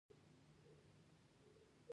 راځه زما سره لاړ شه